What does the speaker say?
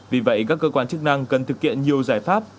vì vậy các cơ quan chức năng cần thực hiện nhiều giải pháp